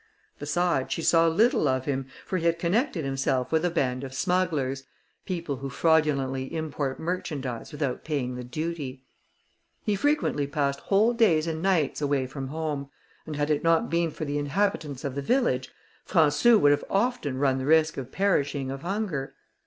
Besides, she saw little of him, for he had connected himself with a band of smugglers people who fraudulently import merchandise without paying the duty. He frequently passed whole days and nights away from home; and had it not been for the inhabitants of the village, Françou would often have run the risk of perishing of hunger.